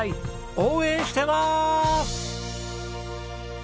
応援してまーす！